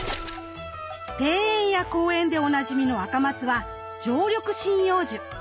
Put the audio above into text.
庭園や公園でおなじみのアカマツは常緑針葉樹。